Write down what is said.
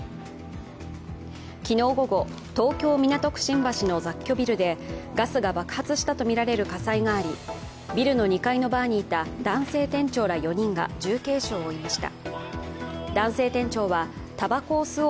昨日午後、東京・港区新橋の雑居ビルでガスが爆発したとみられる火災がありビルの２階のバーにいた男性店長ら４人が重軽傷を負いました。